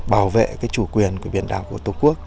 bảo vệ cái chủ quyền của biển đảo của tổ quốc